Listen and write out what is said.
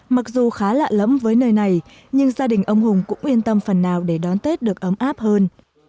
mặc dù khá lạ lẫm với nơi này nhưng gia đình ông hùng cũng yên tâm phần nào để đón tết được ấm áp hơn